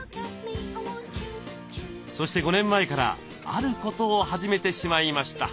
そして５年前からあることを始めてしまいました。